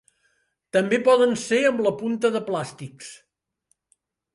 També poden ser amb la punta de plàstics.